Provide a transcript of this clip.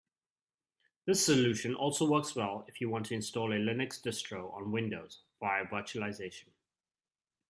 This solution also works well if you want to install a Linux distro on Windows via virtualization.